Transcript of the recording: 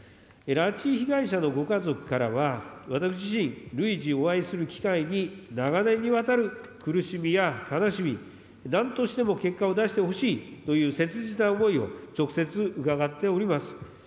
拉致被害者のご家族からは、私自身、累次、お会いする機会に長年にわたる苦しみや悲しみ、なんとしても結果を出してほしいという切実な思いを直接伺っております。